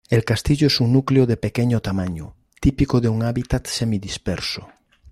El Castillo es un núcleo de pequeño tamaño, típico de un hábitat semi-disperso.